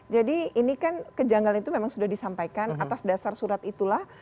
jadi ini kan kejanggalan itu memang sudah disampaikan atas dasar surat itulah